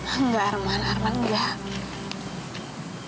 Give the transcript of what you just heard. enggak arman arman enggak